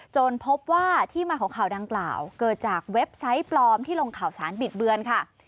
พบว่าที่มาของข่าวดังกล่าวเกิดจากเว็บไซต์ปลอมที่ลงข่าวสารบิดเบือนค่ะ